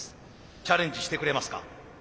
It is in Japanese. チャレンジしてくれますか？